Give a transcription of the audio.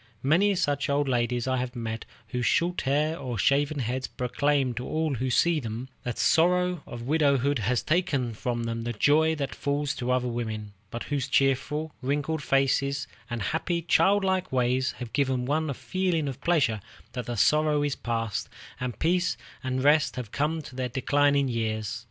Many such old ladies I have met, whose short hair or shaven heads proclaim to all who see them that the sorrow of widowhood has taken from them the joy that falls to other women, but whose cheerful, wrinkled faces and happy, childlike ways have given one a feeling of pleasure that the sorrow is past, and peace and rest have come to their declining years.